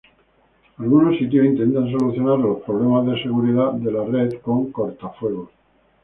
Algunos sitios intentan solucionar los problemas de seguridad de la red con cortafuegos.